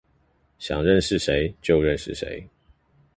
想認識誰就認識誰